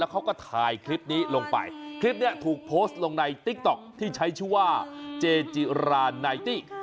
เขาก็ถ่ายคลิปนี้ลงไปคลิปนี้ถูกโพสต์ลงในติ๊กต๊อกที่ใช้ชื่อว่าเจจิราไนตี้